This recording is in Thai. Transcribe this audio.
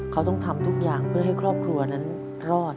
เขาต้องทำทุกอย่างเพื่อให้ครอบครัวนั้นรอด